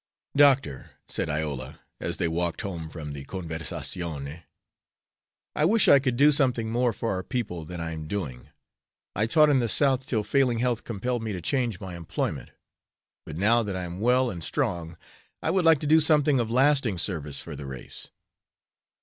"Doctor," said Iola, as they walked home from the conversazione, "I wish I could do something more for our people than I am doing. I taught in the South till failing health compelled me to change my employment. But, now that I am well and strong, I would like to do something of lasting service for the race."